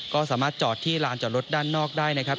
ก็สามารถจอดที่ลานจอดรถด้านนอกได้นะครับ